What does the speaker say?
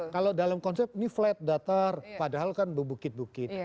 kalau dalam konsep ini flat datar padahal kan bukit bukit